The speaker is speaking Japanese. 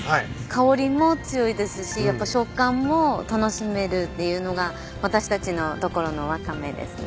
香りも強いですしやっぱ食感も楽しめるっていうのが私たちの所のワカメですね。